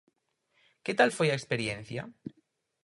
Que tal foi a experiencia?